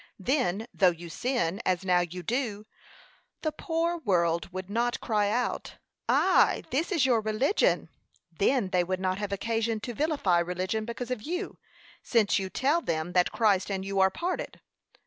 Then, though you sin, as now you do, the poor world would not cry out, Ay, this is your religion! Then they would not have occasion to vilify religion because of you, since you tell them that Christ and you are parted.